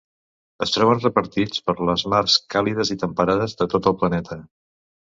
Es troben repartits per les mars càlides i temperades de tot el planeta.